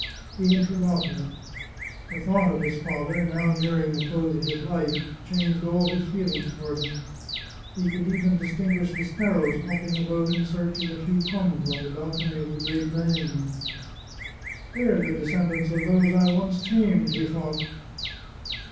He had for gotten it. The thought of his father, now nearing the close of his life, changed all his feelings toward him. He could even distinguish the sparrows hopping about in search of a few crumbs on the balcony of the great dining room. " They are the descendants of those I once tamed," he thought.